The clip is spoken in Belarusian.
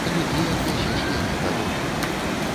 Калі ты адвязеш яе дадому.